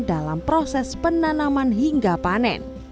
dalam proses penanaman hingga panen